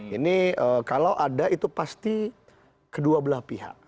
ini kalau ada itu pasti kedua belah pihak